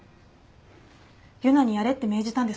佑奈にやれって命じたんですか？